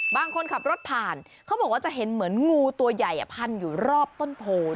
บางคนขับรถผ่านเขาบอกว่าจะเห็นเหมือนงูตัวใหญ่พันอยู่รอบต้นโพน